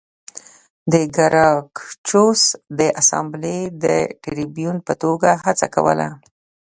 ګراکچوس د اسامبلې د ټربیون په توګه هڅه کوله